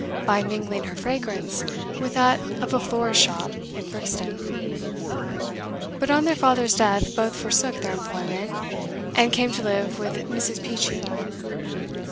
by mingling her fragrance with that of a florist's shop in Brixton; but on their father's death both forsook their employment, and came to live with Mrs. Peachey.